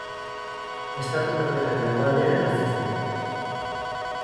Estatu Batuetako hegoaldean hazi zen.